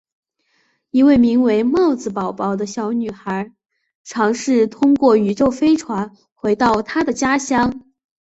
一位名为帽子宝宝的小女孩尝试通过宇宙飞船回到她的家乡。